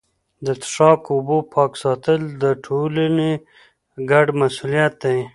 د څښاک اوبو پاک ساتل د ټولني ګډ مسوولیت دی.